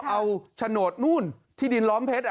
เอาโฉนดนู่นที่ดินล้อมเพชร